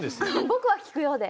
僕は聞くようで。